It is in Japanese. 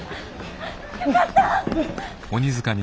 よかった！